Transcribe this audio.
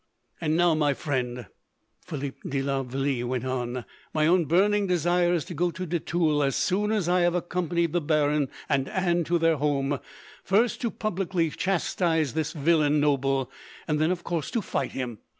"And now, my friend," Philip de la Vallee went on, "my own burning desire is to go to de Tulle, as soon as I have accompanied the baron and Anne to their home; first, to publicly chastise this villain noble; and then, of course, to fight him.